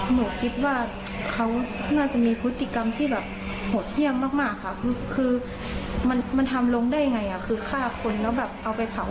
หนูคิดว่าเขาน่าจะมีพฤติกรรมที่แบบโหดเยี่ยมมากค่ะคือมันทำลงได้ไงคือฆ่าคนแล้วแบบเอาไปเผา